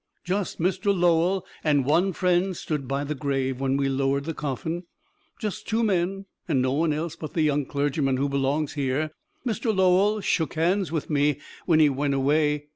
"Just Mr. Lowell and one friend stood by the grave when we lowered the coffin just two men and no one else but the young clergyman who belongs here. Mr. Lowell shook hands with me when he went away.